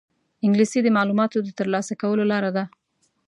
انګلیسي د معلوماتو د ترلاسه کولو لاره ده